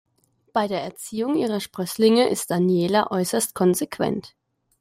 Bei der Erziehung ihrer Sprösslinge ist Daniela äußerst konsequent.